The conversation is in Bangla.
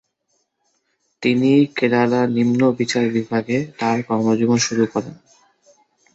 তিনি কেরালার নিম্ন বিচার বিভাগে তার কর্মজীবন শুরু করেন।